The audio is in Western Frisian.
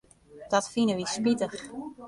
Dat fine wy spitich.